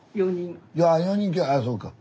ああそうか。